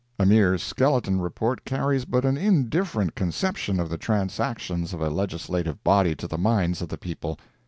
A mere skeleton report carries but an indifferent conception of the transactions of a Legislative body to the minds of the people.